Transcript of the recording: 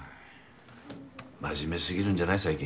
真面目すぎるんじゃない最近。